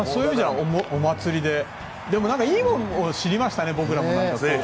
でもいいものを知りましたね。